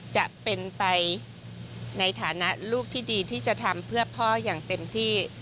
จะเป็นไปในฐานะลูกที่ดีที่จะทำเพื่อพ่ออย่างเต็มที่